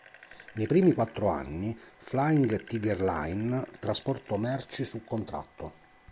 Nei primi quattro anni, Flying Tiger Line trasportò merci su contratto.